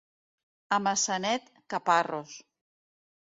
A Maçanet, caparros.